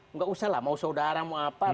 nggak usah lah mau saudara mau apa